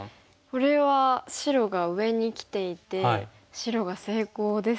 これは白が上にきていて白が成功ですよね。